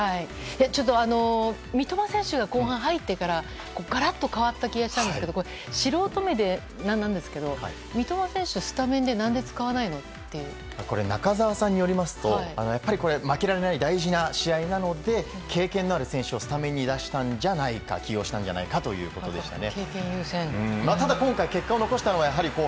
ちょっと三笘選手が後半入ってから、がらっと変わった気がしたんですけど、これ、素人目でなんなんですけど、三笘選手、スタメンで、なんで使これ、中澤さんによりますと、やっぱりこれ、負けられない大事な試合なので、経験のある選手をスタメンに出したんじゃないか、起用したんじゃないかということでしたね。